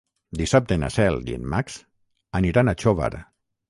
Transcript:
Dissabte na Cel i en Max aniran a Xóvar.